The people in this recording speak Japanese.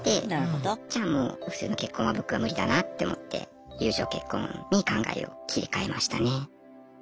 じゃあもう普通の結婚は僕は無理だなって思って友情結婚に考えを切り替えましたね。